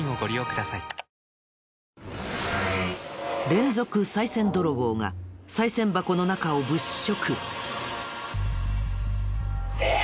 連続さい銭泥棒がさい銭箱の中を物色。